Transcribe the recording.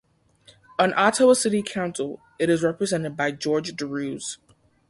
On Ottawa city council it is represented by George Darouze.